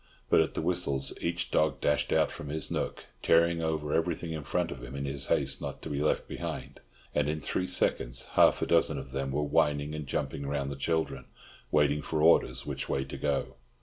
But at the whistles each dog dashed out from his nook, tearing over everything in front of him in his haste not to be left behind; and in three seconds half a dozen of them were whining and jumping round the children, waiting for orders which way to go.